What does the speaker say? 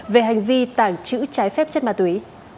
về hành vi tảng trữ trái phép chết ma túy